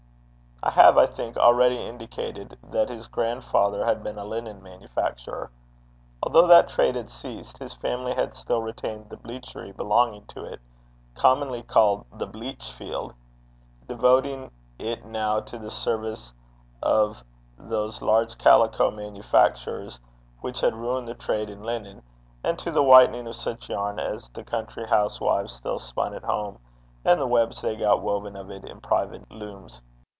I have, I think, already indicated that his grandfather had been a linen manufacturer. Although that trade had ceased, his family had still retained the bleachery belonging to it, commonly called the bleachfield, devoting it now to the service of those large calico manufactures which had ruined the trade in linen, and to the whitening of such yarn as the country housewives still spun at home, and the webs they got woven of it in private looms.